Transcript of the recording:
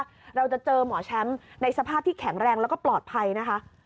เราจะเจอหมอแชมป์ในสภาพที่แข็งแรงแล้วก็ปลอดภัยนะคะ